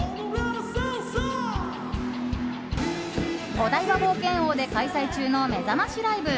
お台場冒険王で開催中のめざましライブ。